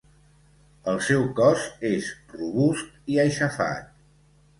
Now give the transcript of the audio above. El seu cos és robust i aixafat.